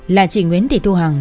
là chị nguyễn thị thu hằng